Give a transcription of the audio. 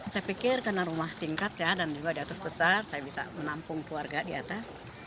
saya pikir karena rumah tingkat ya dan juga di atas besar saya bisa menampung keluarga di atas